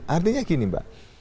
artinya gini mbak